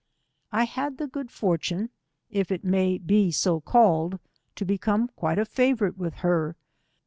I had the good fortune, if it may be so called, to become quite a favourite with her.